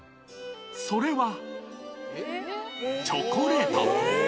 それは、チョコレート。